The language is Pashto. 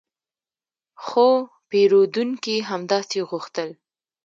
خو پیرودونکي همداسې غوښتل